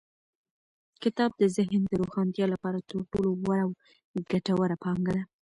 کتاب د ذهن د روښانتیا لپاره تر ټولو غوره او ګټوره پانګه ده.